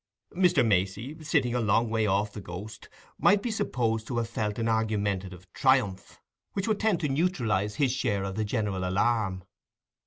Mr. Macey, sitting a long way off the ghost, might be supposed to have felt an argumentative triumph, which would tend to neutralize his share of the general alarm.